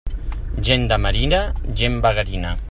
Gent de marina, gent vagarina.